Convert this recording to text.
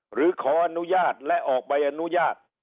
หรือขออนุญาตและออกใบอนุญาต